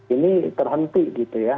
ini terhenti gitu ya